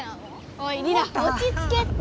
おいリラおちつけって。